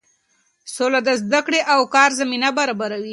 سوله د زده کړې او کار زمینه برابروي.